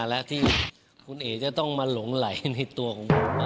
พี่ดูครับผม